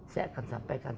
saya akan sampaikan